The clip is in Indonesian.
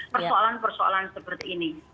persoalan persoalan seperti ini